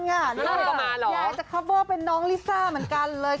อยากจะคอปเวอร์เป็นน้องลิซ่าเหมือนกันเลย